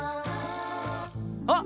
あっ！